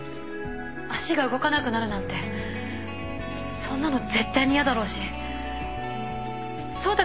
足が動かなくなるなんてそんなの絶対に嫌だろうし走太